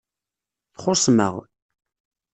Txuṣṣem-aɣ.